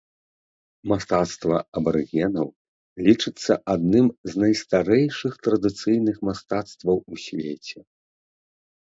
Мастацтва абарыгенаў лічыцца адным з найстарэйшых традыцыйных мастацтваў у свеце.